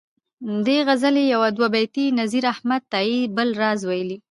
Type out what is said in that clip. دې غزلي یو دوه بیته نذیر احمد تائي بل راز ویلي.